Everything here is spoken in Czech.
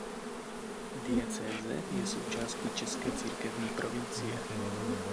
Diecéze je součástí České církevní provincie.